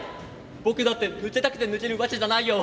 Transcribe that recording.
僕だって抜けたくて抜けるわけじゃないよ」。